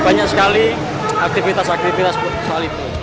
banyak sekali aktivitas aktivitas soal itu